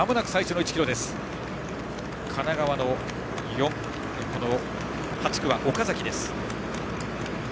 神奈川の８区は岡崎です。